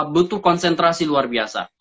butuh konsentrasi luar biasa